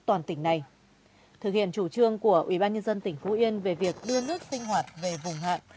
thực hiện chủ trương của ubnd tỉnh phú yên về việc đưa nước sinh hoạt về vùng hạn